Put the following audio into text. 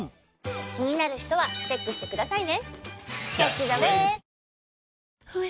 気になる人はチェックしてくださいね！